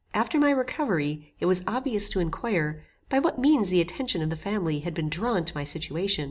After my recovery it was obvious to inquire by what means the attention of the family had been drawn to my situation.